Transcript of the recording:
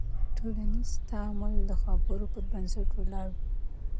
ټولنیز تعامل د خبرو پر بنسټ ولاړ وي.